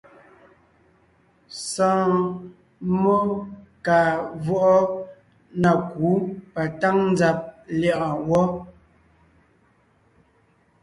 Sɔ̀ɔn mmó kàa vwɔʼɔ na kǔ patáŋ nzàb lyɛ̌ʼɔɔn wɔ́.